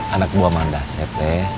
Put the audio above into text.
anak buah mandaset deh